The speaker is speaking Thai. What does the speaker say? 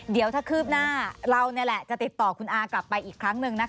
เดี๋ยวถ้าคืบหน้าเรานี่แหละจะติดต่อคุณอากลับไปอีกครั้งหนึ่งนะคะ